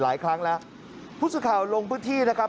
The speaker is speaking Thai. หลายครั้งแล้วผู้สื่อข่าวลงพื้นที่นะครับ